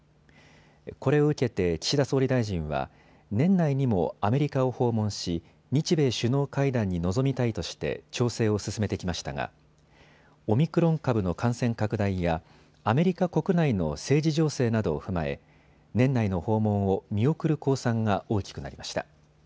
これを受けて岸田総理大臣は年内にもアメリカを訪問し、日米首脳会談に臨みたいとして調整を進めてきましたがオミクロン株の感染拡大やアメリカ国内の政治情勢などを踏まえ年内の訪問を見送る公算が大きくなりました。